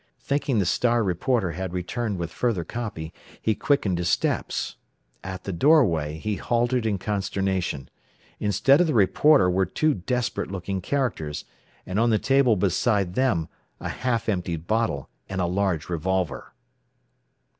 Thinking the "Star" reporter had returned with further copy, he quickened his steps. At the doorway he halted in consternation. Instead of the reporter were two desperate looking characters, and on the table beside them a half emptied bottle and a large revolver.